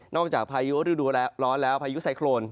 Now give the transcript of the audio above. จากพายุฤดูร้อนแล้วพายุไซโครน